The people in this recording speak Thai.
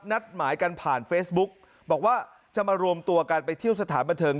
นัดหมายกันผ่านเฟซบุ๊กบอกว่าจะมารวมตัวกันไปเที่ยวสถานบันเทิง